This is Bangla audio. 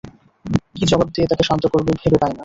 কি জবাব দিয়ে তাকে শান্ত করবে ভেবে পায় না।